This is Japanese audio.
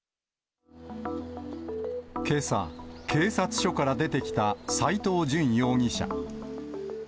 けさ、警察署から出てきた斎藤淳容疑者。